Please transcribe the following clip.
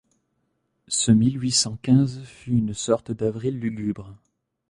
Ce mille huit cent quinze fut une sorte d’avril lugubre.